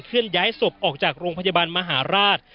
เคลื่อนย้ายศพออกจากโรงพยาบาลมหาราช